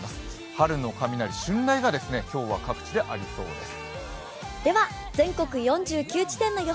春の雷、春雷が今日は各地でありそうです。